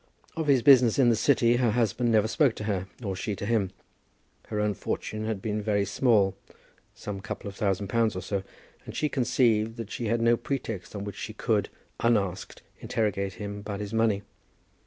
Of his business in the City her husband never spoke to her, nor she to him. Her own fortune had been very small, some couple of thousand pounds or so, and she conceived that she had no pretext on which she could, unasked, interrogate him about his money.